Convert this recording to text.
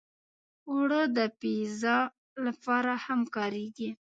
اوړه د پیزا لپاره هم کارېږي